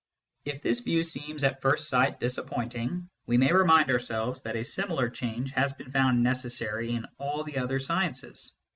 If this view seems at first sight disappointing, we may remind ourselves that a similar change has been found necessary in all the other sciences.